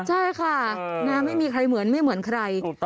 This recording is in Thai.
ใช่ค่ะไม่มีใครเหมือนไม่เหมือนใคร